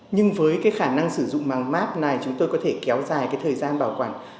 nhưng với cái khả năng sử dụng mảng map này chúng tôi có thể kéo dài cái thời gian bảo quản